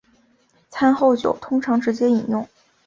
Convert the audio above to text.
餐后酒通常直接饮用。